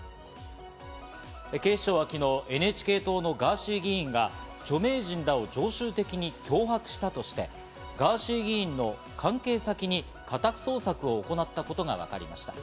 警視庁は昨日、ＮＨＫ党のガーシー議員が著名人らを常習的に脅迫したとして、ガーシー議員の関係先に家宅捜索を行ったことがわかりました。